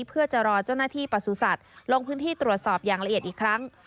เพื่อจะรอเจ้าหน้าที่ประสุทธิ์ลงพื้นที่ตรวจสอบอย่างละเอียดอีกครั้ง